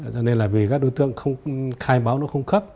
cho nên là vì các đối tượng khai báo nó không khắp